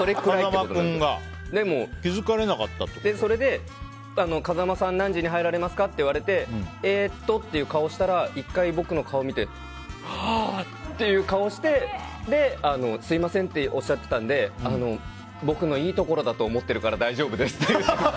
でも、それで風間さん何時に入られますか？って聞かれてえっとって顔したら１回僕の顔を見てハッて顔をされてすみませんっておっしゃっていたので僕のいいところだと思っているので大丈夫ですって。